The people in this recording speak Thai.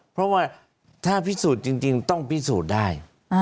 เพราะว่าถ้าพิสูจน์จริงต้องพิสูจน์ได้